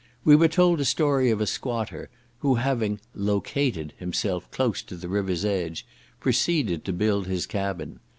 We were told a story of a squatter, who having "located" himself close to the river's edge, proceeded to build his cabin.